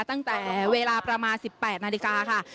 ตั้งแต่เวลาประมาณ๑๘นาฬิกาค่ะ